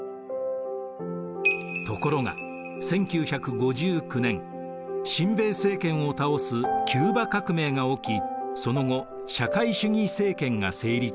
ところが１９５９年親米政権を倒すキューバ革命が起きその後社会主義政権が成立しました。